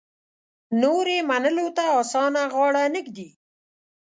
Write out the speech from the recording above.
نور یې منلو ته اسانه غاړه نه ږدي.